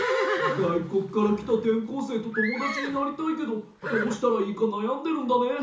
がいこくからきたてんこうせいとともだちになりたいけどどうしたらいいかなやんでるんだね。